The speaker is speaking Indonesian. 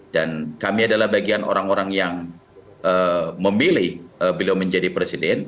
dan kami adalah bagian orang orang yang memilih beliau menjadi presiden